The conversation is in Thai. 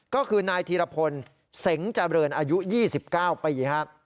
ก็คือนายธีรพลเสงเจริญอายุ๒๙ปีครับ